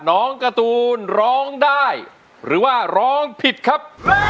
น้องการ์ตูนร้องได้หรือว่าร้องผิดครับ